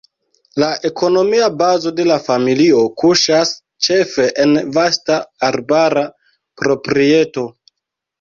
La ekonomia bazo de la familio kuŝas ĉefe en vasta arbara proprieto.